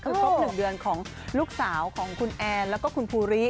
คือครบ๑เดือนของลูกสาวของคุณแอนแล้วก็คุณภูริ